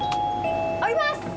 降ります！